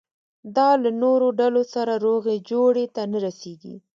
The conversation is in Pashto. دا له نورو ډلو سره روغې جوړې ته نه رسېږي.